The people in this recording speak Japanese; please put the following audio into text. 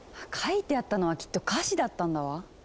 書いてあったのはきっと歌詞だったんだわ！